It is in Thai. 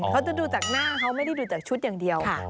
เขาจะดูจากหน้าเขาไม่ได้ดูจากชุดอย่างเดียว